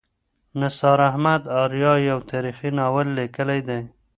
نثار احمد آریا یو تاریخي ناول لیکلی دی.